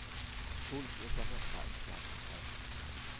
Todesursache war ein Schlaganfall.